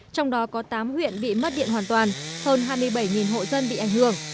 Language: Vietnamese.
trong đó có tám huyện bị mất điện hoàn toàn hơn hai mươi bảy hộ dân bị ảnh hưởng